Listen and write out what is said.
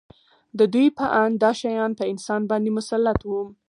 د دوی په اند دا شیان په انسان باندې مسلط وو